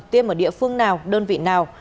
tiêm ở địa phương nào đơn vị nào